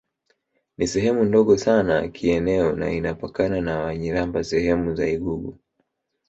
Ni sehemu ndogo sana kieneo na inapakana na Wanyiramba sehemu za lgugu